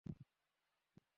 আমরা একটা চোর ধরেছি।